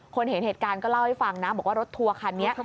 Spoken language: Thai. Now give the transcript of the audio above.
เห็นเหตุการณ์ก็เล่าให้ฟังนะบอกว่ารถทัวร์คันนี้